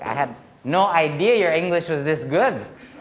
aku tidak tahu bahwa bahasa inggris anda begitu baik